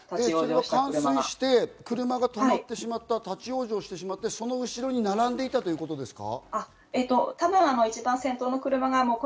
冠水して、車が止まってしまった、立ち往生してしまって、その後ろに並んでいたということですか？